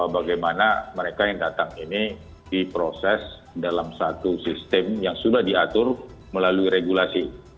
bagaimana mereka yang datang ini diproses dalam satu sistem yang sudah diatur melalui regulasi